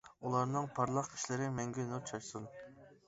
ئۇلارنىڭ پارلاق ئىشلىرى مەڭگۈ نۇر چاچسۇن.